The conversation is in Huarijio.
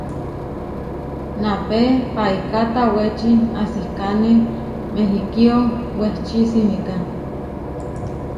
Napé paiká tawéči asikáne Mehikío wehči simiká.